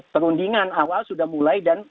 perundingan awal sudah mulai dan